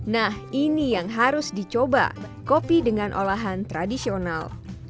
nah ini yang harus dicoba kopi dengan olahan tradisional